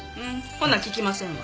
ほな聞きませんわ。